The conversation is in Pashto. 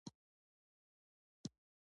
دوی یوه دروازه غوندې جوړه کړې وه.